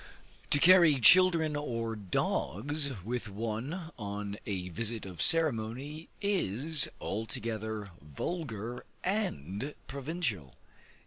To carry children or dogs with one on a visit of ceremony, is altogether vulgar and provincial.